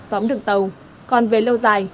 xóm đường tàu còn về lâu dài